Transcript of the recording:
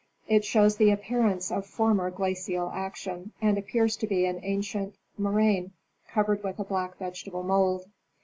It shows the appearance of former glacial action, and appears to be an ancient moraine covered with a black vegetable mould.